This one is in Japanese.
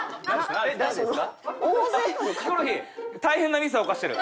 ヒコロヒー大変なミスを犯してる。